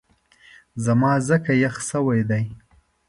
زما ځکه یخ شوی دی